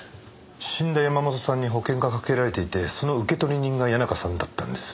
死んだ山本さんに保険がかけられていてその受取人が谷中さんだったんです。